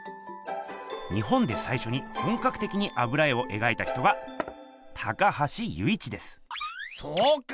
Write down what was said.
日本でさいしょに本かくてきに油絵を描いた人がそうか。